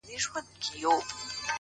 مثبت ذهن د ستونزو تر شا درس ویني.!